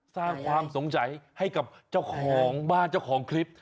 สร้างความสงสัยให้กับเจ้าของบ้านเจ้าของคลิป